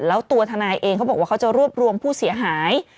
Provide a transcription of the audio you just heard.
แล้วตัวทนายเองเขาบอกว่าเขาจะรวบรวมผู้เสียหาย